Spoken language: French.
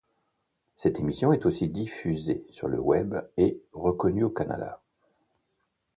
Cette émission est aussi diffusée sur le Web et reconnue au Canada.